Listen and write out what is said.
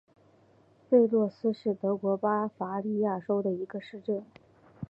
弗洛斯是德国巴伐利亚州的一个市镇。